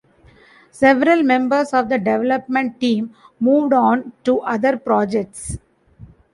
Several members of the development team moved on to other projects.